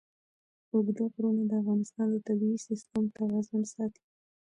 اوږده غرونه د افغانستان د طبعي سیسټم توازن ساتي.